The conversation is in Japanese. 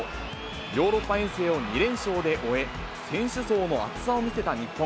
ヨーロッパ遠征を２連勝で終え、選手層の厚さを見せた日本。